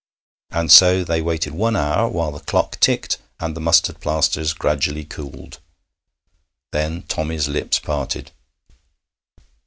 And so they waited one hour, while the clock ticked and the mustard plasters gradually cooled. Then Tommy's lips parted.